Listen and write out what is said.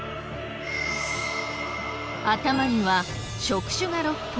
頭には触手が６本。